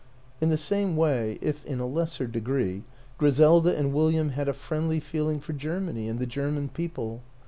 In the same way, if in a lesser degree, Griselda and William had a friendly feeling for Germany and the German people.